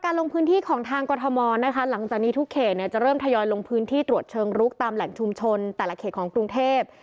ก็จะตรวจนี่มากขึ้นแต่ละเขตของกรุงเทพ